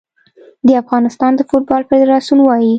د افغانستان د فوټبال فدراسیون وايي